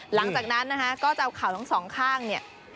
หลังจากนั้นนะคะก็จะเอาเข่าทั้งสองข้างเนี่ย